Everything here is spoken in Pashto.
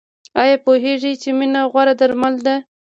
ایا پوهیږئ چې مینه غوره درمل ده؟